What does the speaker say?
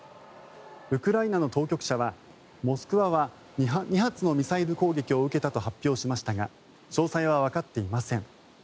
ウクライナの当局者は「モスクワ」は２発のミサイル攻撃を受けたと発表しましたが詳細はわかっていません。